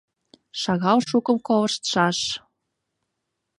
— Шагал шукым колыштшаш.